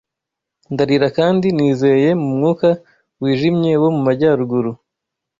Ndarira kandi nizeye mu mwuka wijimye wo mu majyaruguru